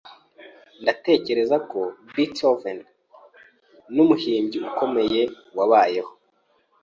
Ntekereza ko Beethoven numuhimbyi ukomeye wabayeho.